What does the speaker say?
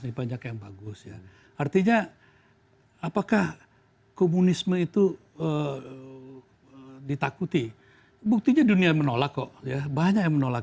ya banyak banyak yang bagus artinya apakah komunisme itu ditakuti buktinya dunia menolak kok banyak yang menolak